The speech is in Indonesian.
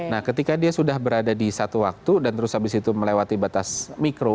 nah ketika dia sudah berada di satu waktu dan terus habis itu melewati batas mikro